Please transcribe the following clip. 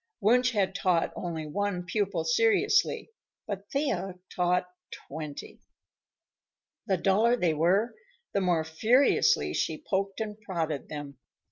Wunsch had taught only one pupil seriously, but Thea taught twenty. The duller they were, the more furiously she poked and prodded them.